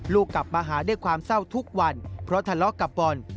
กลับมาหาด้วยความเศร้าทุกวันเพราะทะเลาะกับบอล